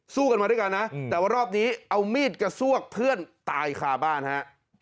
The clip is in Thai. สู้กันมาด้วยกันนะแต่ว่ารอบนี้เอามีดกระซวกเพื่อนตายคาบ้านฮะ